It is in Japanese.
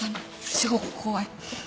超怖い。